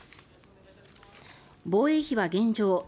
防衛費は現状